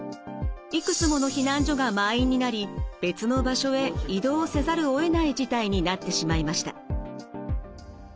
いくつもの避難所が満員になり別の場所へ移動せざるをえない事態になってしまいました。